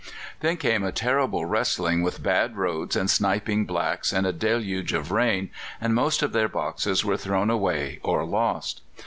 Then came a terrible wrestling with bad roads and sniping blacks and a deluge of rain, and most of their boxes were thrown away or lost.